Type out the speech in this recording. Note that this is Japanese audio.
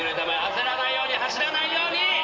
焦らないように走らないように！